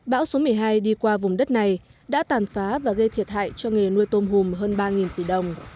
bão số một mươi hai đi qua vùng đất này đã tàn phá và gây thiệt hại cho nghề nuôi tôm hùm hơn ba tỷ đồng